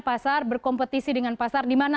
pasar berkompetisi dengan pasar di mana